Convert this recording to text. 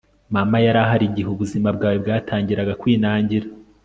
mama yari ahari igihe ubuzima bwawe bwatangiraga kwinangira